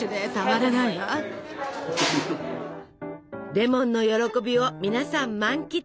「レモンの歓び」を皆さん満喫！